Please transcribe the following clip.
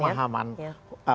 di bidang hukum ya